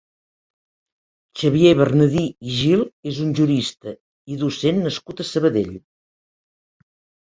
Xavier Bernadí i Gil és un jurista i docent nascut a Sabadell.